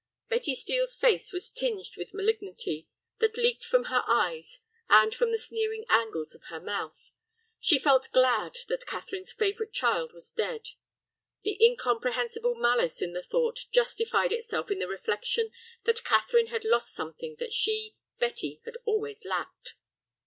Betty Steel's face was tinged with a malignity that leaked from her eyes and from the sneering angles of her mouth. She felt glad that Catherine's favorite child was dead. The incomprehensible malice in the thought justified itself in the reflection that Catherine had lost something that she, Betty, had always lacked.